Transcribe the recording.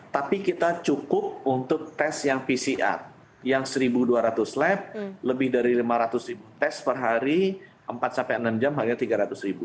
tapi kita cukup untuk tes yang pcr yang satu dua ratus lab lebih dari lima ratus ribu tes per hari empat sampai enam jam harga tiga ratus ribu